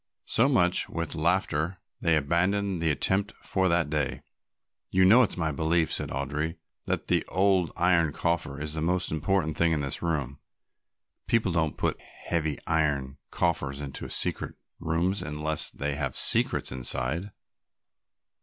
So with much laughter they abandoned the attempt for that day. "You know it's my belief," said Audry, "that that old iron coffer is the most important thing in this room; people don't put great heavy iron coffers into secret rooms unless they have secrets inside."